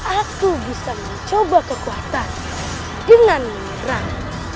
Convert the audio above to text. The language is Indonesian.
aku bisa mencoba kekuatan dengan menyerang